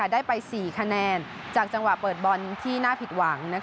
ได้ไป๔คะแนนจากจังหวะเปิดบอลที่น่าผิดหวัง